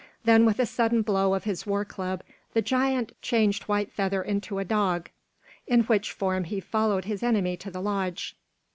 Then with a sudden blow of his war club the giant changed White Feather into a dog, in which form he followed his enemy to the lodge.